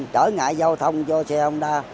trở ngại giao thông cho xe không đa